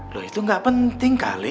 loh itu gak penting kali